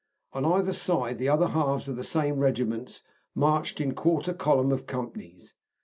On either side the other halves of the same regiments marched in quarter column of companies.